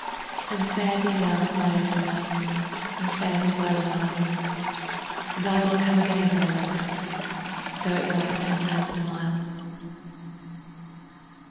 And fare thee weel, my only Luve, And fare thee weel a while! And I will come again, my Luve, 15 Tho' it were ten thousand mile.